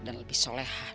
dan lebih solehah